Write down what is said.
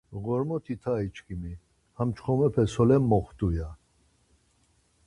Ğormoti Tai çkimi ham çxomepe solen moxtu? ya.